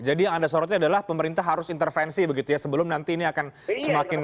jadi yang anda sorotnya adalah pemerintah harus intervensi begitu ya sebelum nanti ini akan semakin